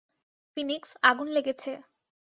Phoenix, আগুন লেগেছে।